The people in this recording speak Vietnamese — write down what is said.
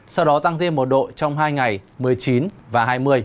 sau đó tăng thêm một độ trong hai ngày một mươi chín và hai mươi